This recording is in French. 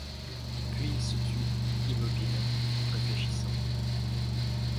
Puis il se tut, immobile, réfléchissant.